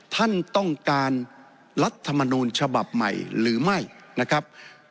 ท่านต้องการรัฐมนูลฉบับใหม่หรือไม่นะครับ